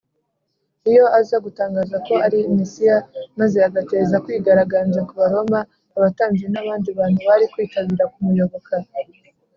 Iyo aza gutangaza ko ari Mesiya, maze agateza kwigaragambya ku Baroma, abatambyi n’abandi bantu bari kwitabira kumuyoboka